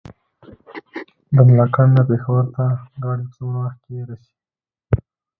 د ملاکنډ نه پېښور ته ګاډی په څومره وخت کې رسي؟